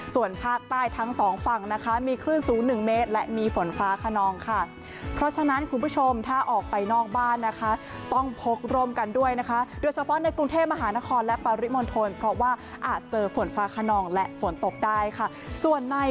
ส่วนภาคใต้ทั้งสองฝั่งนะคะมีคลื่นสูง๑เมตรและมีฝนฟ้าขนองค่ะ